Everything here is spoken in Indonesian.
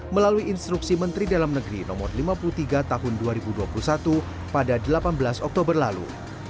melalui instruksi menteri dalam negeri no lima puluh tiga tahun dua ribu dua puluh satu pada delapan belas oktober lalu